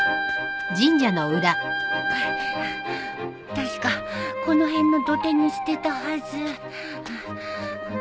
確かこの辺の土手に捨てたはず。